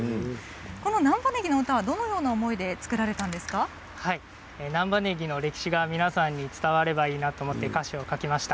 この難波ねぎの歌はどのような思いで作られたんです難波ねぎの歴史が皆さんに伝わればいいなと思って歌詞を書きました。